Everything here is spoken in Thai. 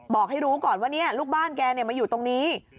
บอกให้รู้ก่อนว่าลูกบ้านแกมาอยู่ตรงนี้